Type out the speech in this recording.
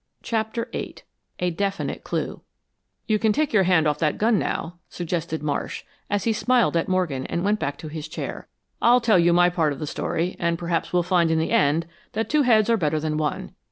CHAPTER VIII A DEFINITE CLUE "You can take your hand off that gun now," suggested Marsh, as he smiled at Morgan and went back to his chair. "I'll tell you my part of the story, and perhaps we'll find in the end that two heads are better than one."